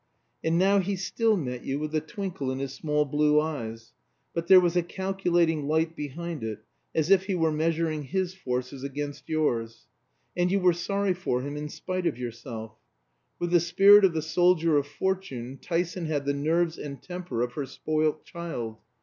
And now he still met you with the twinkle in his small blue eyes, but there was a calculating light behind it, as if he were measuring his forces against yours. And you were sorry for him in spite of yourself. With the spirit of the soldier of Fortune, Tyson had the nerves and temper of her spoilt child.